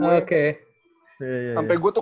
oke sampai gue tuh